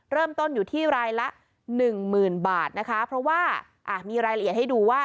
เริ่มต้นอยู่ที่รายละหนึ่งหมื่นบาทนะคะเพราะว่ามีรายละเอียดให้ดูว่า